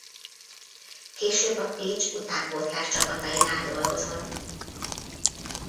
Később a Pécs utánpótlás csapatainál dolgozott.